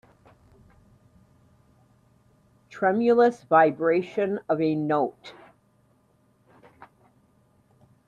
Tremulous vibration of a note